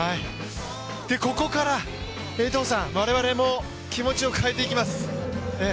ここから江藤さん、我々も気持ちを変えていきます。